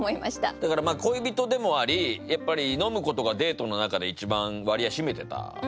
だからまあ恋人でもありやっぱり飲むことがデートの中で一番割合占めてたのかな。